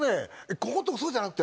「ここんとこそうじゃなくてね」